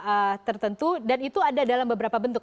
ada syaratnya beberapa tertentu dan itu ada dalam beberapa perbankan